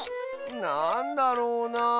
なんだろうなあ。